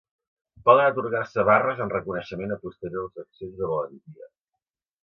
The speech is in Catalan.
Poden atorgar-se barres en reconeixement a posteriors accions de valentia.